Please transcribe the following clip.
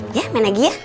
iya main lagi ya